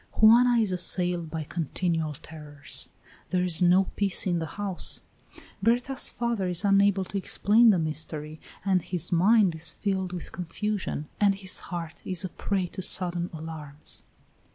Juana is assailed by continual terrors; there is no peace in the house. Berta's father is unable to explain the mystery, and his mind is filled with confusion and his heart is a prey to sudden alarms.